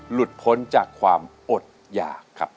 หลุดพ้นจากความอดหยากครับ